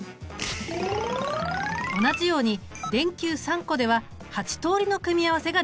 同じように電球３個では８通りの組み合わせができた。